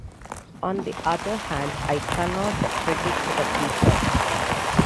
On the other hand, I cannot predict the future.